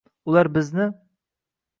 Ular bizni